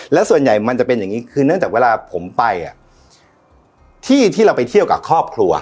แล้วส่วนใหญ่มันจะเป็นอย่างนี้คือเนื่องจากเวลาผมไปที่ที่เราไปเที่ยวกับครอบครัว